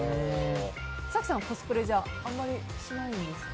早紀さんはコスプレはあまりしないんですか？